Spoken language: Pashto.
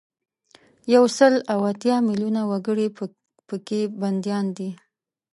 یو سل او اتیا میلونه وګړي په کې بندیان دي.